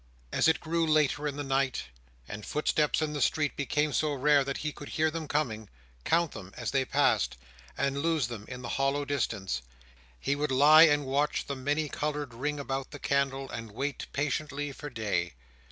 As it grew later in the night, and footsteps in the street became so rare that he could hear them coming, count them as they passed, and lose them in the hollow distance, he would lie and watch the many coloured ring about the candle, and wait patiently for day.